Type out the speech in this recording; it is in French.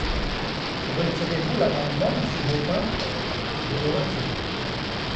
Retirez-vous l’amendement, monsieur Baupin ? Je le retire.